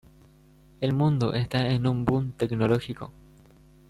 El mundo esta en un boom tecnológico.